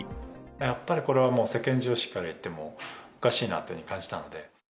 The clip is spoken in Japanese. やっぱりこれは世間常識からいっても、おかしいなというふうに感じたんで。